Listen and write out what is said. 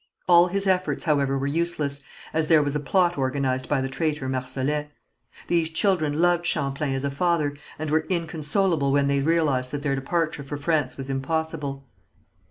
All his efforts, however, were useless, as there was a plot organized by the traitor Marsolet. These children loved Champlain as a father, and were inconsolable when they realized that their departure for France was impossible.